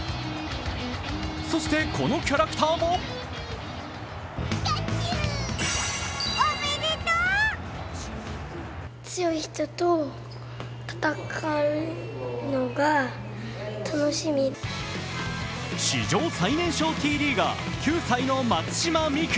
そして、このキャラクターも史上最年少Ｔリーガー９歳の松島美空。